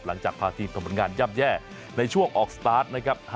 หลังจากพาทีมทำผลงานย่ำแย่ในช่วงออกสตาร์ทนะครับ